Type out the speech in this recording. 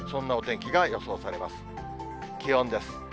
気温です。